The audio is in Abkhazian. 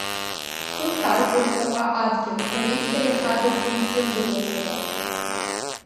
Хыхь ажәҩан ҵака адгьыл, бареи сареи ҳада аӡәгьы изымдыруазароуп.